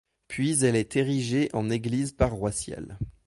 Puis elle est érigée en église paroissiale.